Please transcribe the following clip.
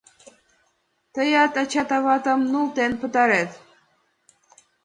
Тыят ачат-аватым нултен пытарет.